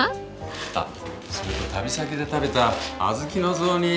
あっそれと旅先で食べた小豆の雑煮